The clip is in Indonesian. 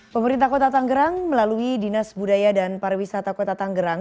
pemerintah kota tanggerang melalui dinas budaya dan pariwisata kota tanggerang